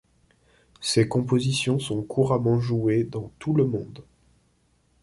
Ses compositions sont couramment jouées dans tout le monde.